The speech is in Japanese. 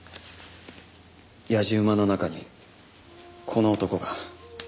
やじ馬の中にこの男が。